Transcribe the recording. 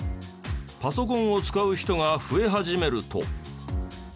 パソコンを使う人が増え始めると。